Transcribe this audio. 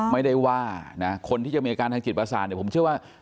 ไม่ได้ว่านะคนที่จะมีอาการทางจิตประสาทเนี่ยผมเชื่อว่า